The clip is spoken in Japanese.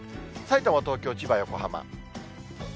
さいたま、東京、千葉、横浜。